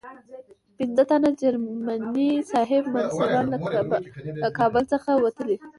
پنځه تنه جرمني صاحب منصبان له کابل څخه وتلي.